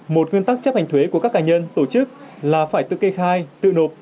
một nguyên tắc chấp hành thuế của các cá nhân tổ chức là phải tự kê khai tự nộp